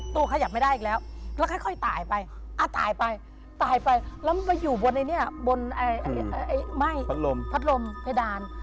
ตัวขยับไม่ได้อีกแล้วแล้วค่อยตายไปแต่มันอยู่บนไอ้ไห้ไหม้พัดลมเผดาน